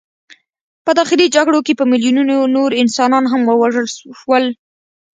په داخلي جګړو کې په میلیونونو نور انسانان هم ووژل شول.